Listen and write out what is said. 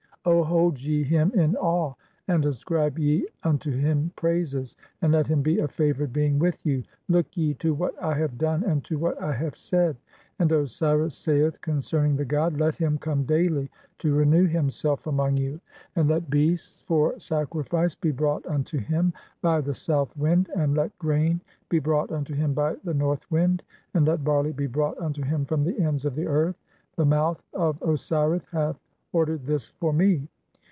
O hold ye "him in awe, and ascribe ye unto him praises, and let him be "a favoured being with you ; look ye (8) to what I have done "and to what I have said.' And Osiris saith concerning the god, "'Let him come daily to renew himself among you. And let "beasts [for sacrifice] be brought unto him (9) by the south "wind, and let grain be brought unto him by the north wind, "and let barley be brought unto him from the ends of the earth' ; "the mouth of Osiris hath ordered [this] for me.